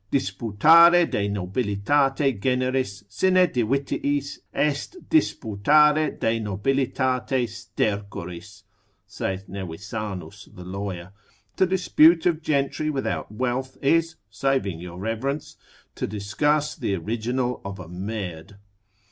Disputare de nobilitate generis, sine divitiis, est disputare de nobilitate stercoris, saith Nevisanus the lawyer, to dispute of gentry without wealth, is (saving your reverence) to discuss the original of a merd.